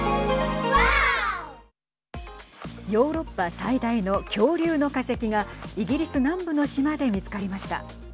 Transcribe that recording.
ヨーロッパ最大の恐竜の化石がイギリス南部の島で見つかりました。